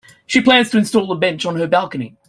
She plans to install a bench on her balcony.